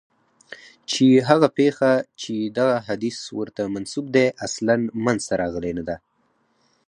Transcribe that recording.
چي هغه پېښه چي دغه حدیث ورته منسوب دی اصلاً منځته راغلې نه ده.